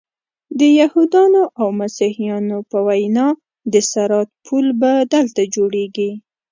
د یهودانو او مسیحیانو په وینا د صراط پل به دلته جوړیږي.